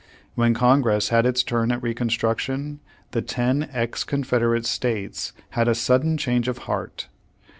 When Congress had its turn at Reconstruction, the ten ex Confederate States, had a sudden change of heart.